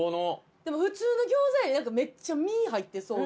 でも普通の餃子よりめっちゃ身入ってそうな。